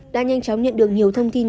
đã nhanh chóng nhận được nhiều thông tin